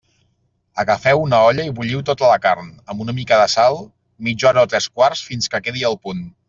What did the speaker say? Agafeu una olla i bulliu tota la carn, amb una mica de sal, mitja hora o tres quarts fins que quedi al punt.